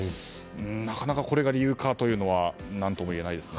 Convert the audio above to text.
なかなかこれが理由かというのは何とも言えないですね。